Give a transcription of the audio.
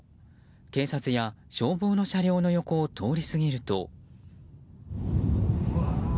警察や消防の車両の横を通り過ぎると。